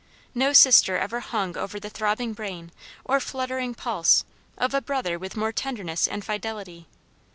No sister ever hung over the throbbing brain, or fluttering pulse, of a brother with more tenderness and fidelity.